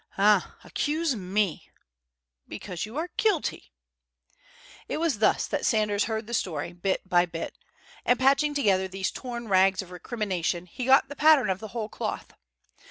"Ah, accuse me!" "Because you are guilty!" It was thus that Sanders heard the story, bit by bit. And patching together these torn rags of recrimination he got the pattern of the whole cloth.